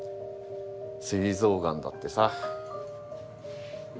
膵臓がんだってさ。